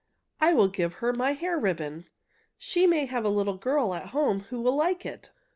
I will give her my hair ribbon. She may have a little girl at home who will like it.